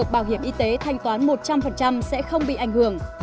bảo hiểm y tế thanh toán một trăm linh sẽ không bị ảnh hưởng